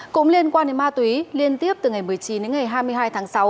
cũng liên quan đến ma túy liên tiếp từ ngày một mươi chín đến ngày hai mươi hai tháng sáu